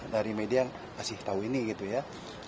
dari media kasih tahu ini gitu ya